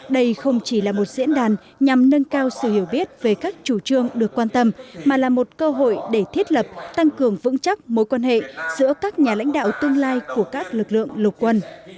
đây không chỉ là một diễn đàn nhằm nâng cao sự hiểu biết về các chủ trương được quan tâm mà là một cơ hội để thiết lập tăng cường vững chắc mối quan hệ giữa các nhà lãnh đạo tương lai của các lực lượng lục quân